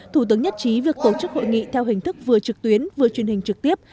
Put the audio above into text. thủ tướng nhất trí việc tổ chức hội nghị theo hình thức vừa trực tuyến vừa truyền hình trực tiếp